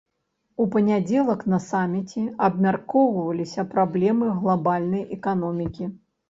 У панядзелак на саміце абмяркоўваліся праблемы глабальнай эканомікі.